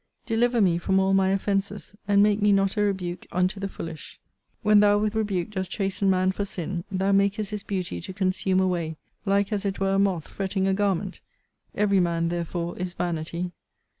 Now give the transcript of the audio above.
Deliver me from all my offences: and make me not a rebuke unto the foolish. When thou with rebuke dost chasten man for sin, thou makest his beauty to consume away, like as it were a moth fretting a garment: every man, therefore, is vanity.